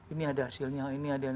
ini ada hasilnya ini ada yang